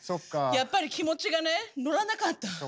やっぱり気持ちがねのらなかった。